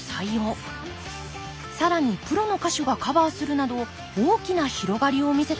更にプロの歌手がカバーするなど大きな広がりを見せたのです